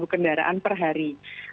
delapan kendaraan per hari